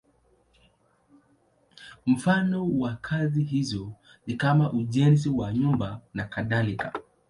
Mfano wa kazi hizo ni kama ujenzi wa nyumba nakadhalika.